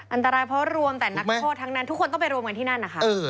อันตรายเพราะรวมแต่นักโทษทั้งนั้นทุกคนต้องไปรวมกันที่นั่นนะคะ